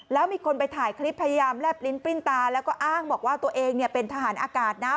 แล้วมีคนไปถ่ายคลิปพยายามแลบลิ้นปริ้นตาแล้วก็อ้างบอกว่าตัวเองเป็นทหารอากาศนะ